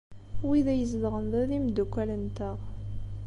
Wid ay izedɣen da d imeddukal-nteɣ.